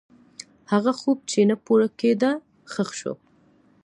هغه خوب چې نه پوره کېده، ښخ شو.